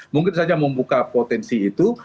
mungkin saja membuka potensi itu